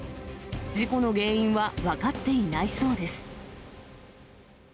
事故の原因は分かっていないそうです。